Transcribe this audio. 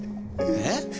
えっ？